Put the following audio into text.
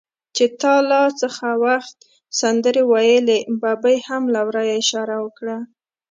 چې تا لا هغه وخت سندرې ویلې، ببۍ هم له ورایه اشاره وکړه.